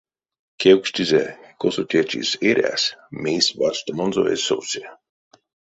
Кевкстизе, косо течис эрясь, мейс варштамонзо эзь совсе.